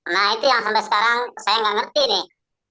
nah itu yang sampai sekarang saya nggak ngerti nih